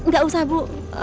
gak usah bu